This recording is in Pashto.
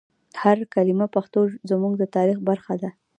هر کلمه پښتو زموږ د تاریخ برخه ده.